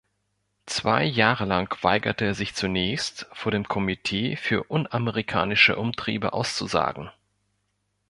Zwei Jahre lang weigerte er sich zunächst, vor dem Komitee für unamerikanische Umtriebe auszusagen.